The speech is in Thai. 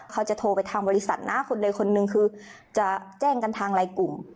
เขาจะโทรไปทางบริษัทนะคนใดคนหนึ่งคือจะแจ้งกันทางไลน์กลุ่ม